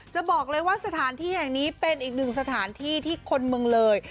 จะบอกเลยว่าสถานที่แห่งนี้เป็นอีกหนึ่งสถานที่ที่คนเมืองเลย